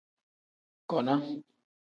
Kona.